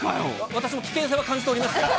私も危険性は感じております。